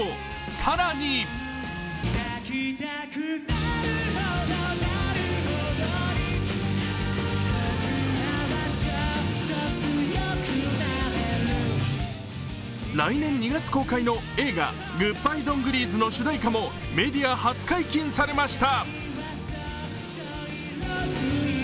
更に来年２月公開の映画「グッバイ、ドン・グリーズ！」の主題歌もメディア初解禁されました。